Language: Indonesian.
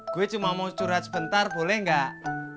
gue cuma mau curhat sebentar boleh nggak